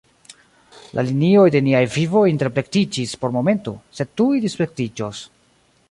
La linioj de niaj vivoj interplektiĝis por momento, sed tuj displektiĝos.